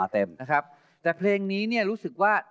แต่เพลงนี้เนี่ยรู้สึกว่า